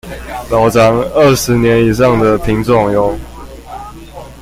老欉二十年以上的品種唷